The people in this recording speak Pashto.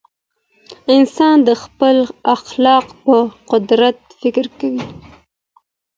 انسان د خپل خالق په قدرت فکر کوي.